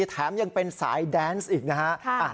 แถมยังเป็นสายแดนส์อีกนะฮะ